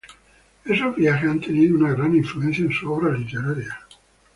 Esos viajes han tenido una gran influencia en su obra literaria.